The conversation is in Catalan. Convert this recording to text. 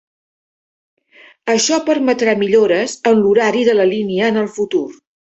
Això permetrà millores en l'horari de la línia en el futur.